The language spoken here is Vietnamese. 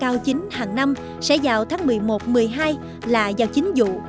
cây cao chính hàng năm sẽ vào tháng một mươi một một mươi hai là vào chính dụ